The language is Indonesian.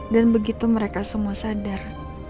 begitu mereka semua sadar